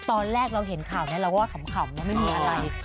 ตอนแรกเราเห็นข่าวนี้เราก็ว่าขำนะไม่มีอะไร